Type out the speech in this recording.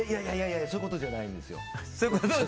そういうことじゃないんですよ。